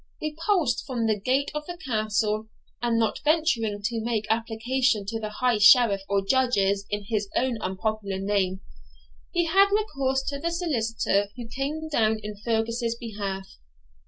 Repulsed from the gate of the Castle, and not venturing to make application to the High Sheriff or Judges in his own unpopular name, he had recourse to the solicitor who came down in Fergus's behalf.